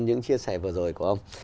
những chia sẻ vừa rồi của ông